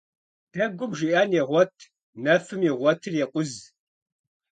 Дэгум жиӀэн егъуэт, нэфым игъуэтыр екъуз.